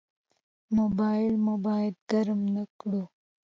موبایل مو باید ګرم نه کړو.